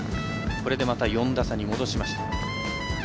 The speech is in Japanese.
これで、また４打差に戻しました。